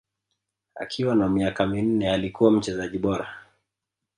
Akiwa na miaka minne alikuwa mchezaji bora